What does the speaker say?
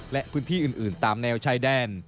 และพื้นที่อื่นตามแนวชายแดน